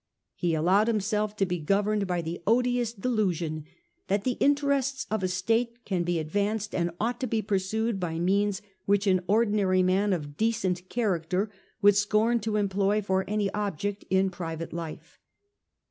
He allowed himself to be governed by the odious delusion that the interests of a state can be advanced and ought to be pursued by means which an ordinary man of decent character would scorn to employ for any object in private life.